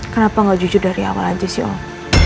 kenapa gak jujur dari awal aja sih om